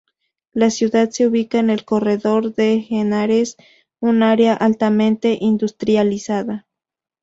La ciudad se ubica en el Corredor del Henares, un área altamente industrializada.